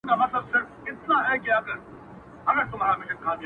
هم خوارځواکی هم ناروغه هم نېستمن وو!